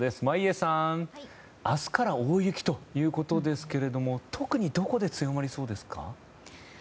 眞家さん明日から大雪ということですが特にどこで強まりそうですか？